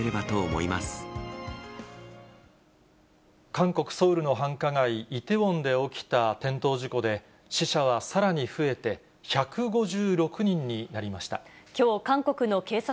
韓国・ソウルの繁華街、イテウォンで起きた転倒事故で、死者はさらに増えて１５６人になりました。